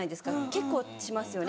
結構しますよね